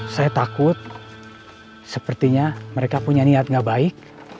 saya takut sepertinya mereka punya niat gak baik